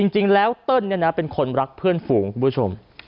จริงแล้วเติ้ลเป็นคนรักเพื่อนฝูงคุณผู้ชม